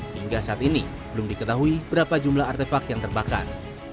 hingga saat ini belum diketahui berapa jumlah artefak yang terbakar